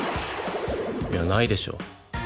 いやないでしょ。